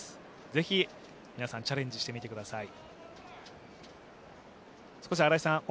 ぜひ皆さん、チャレンジしてみてください。